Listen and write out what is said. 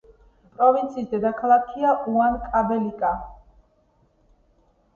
პროვინციის დედაქალაქია უანკაველიკა.